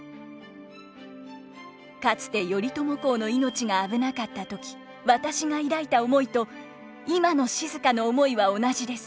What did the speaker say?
「かつて頼朝公の命が危なかった時私が抱いた思いと今の静の思いは同じです。